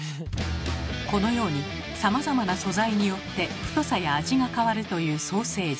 このようにさまざまな素材によって太さや味が変わるというソーセージ。